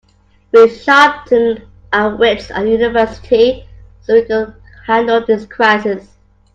We sharpened our wits at university so we could handle this crisis.